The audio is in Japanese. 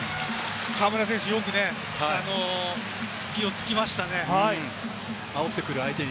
河村選手、よく隙をつきましたね。